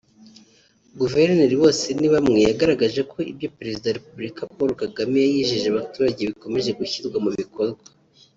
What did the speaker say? Guverineri Bosenibamwe yagaragaje ko ibyo Perezida wa Repubulika Paul Kagame yijeje abaturage bikomeje gushyirwa mu bikorwa